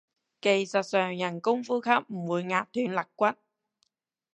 技術上人工呼吸唔會壓斷肋骨